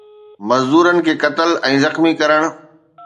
مزدورن کي قتل ۽ زخمي ڪرڻ